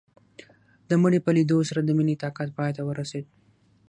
د مړي په ليدو سره د مينې طاقت پاى ته ورسېد.